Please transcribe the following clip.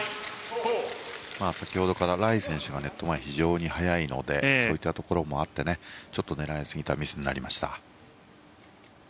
先ほどからライ選手がネット前、非常に速いのでそういったところもあってちょっと狙いすぎてミスになりました。